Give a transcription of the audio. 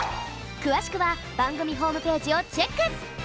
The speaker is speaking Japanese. くわしくはばんぐみホームページをチェック！